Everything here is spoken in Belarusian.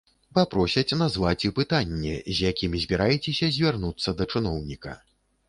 Папросяць назваць і пытанне, з якім збіраецеся звярнуцца да чыноўніка.